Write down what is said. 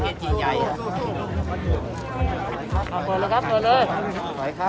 พี่พ่อกลับไปชะเทศนะพี่พ่อกลับไปชะเทศนะ